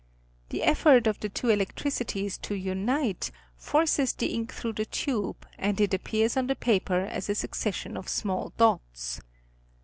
The effort of the two electricities to unite, forces the ink through the tube and it appears on the paper as a succes sion of small dots.